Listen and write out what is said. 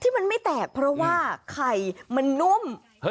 มันไม่แตกเพราะว่าไข่มันนุ่ม